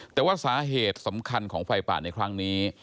แต่ว่าสาเหตุสำคัญของไฟป่าในครั้งนี้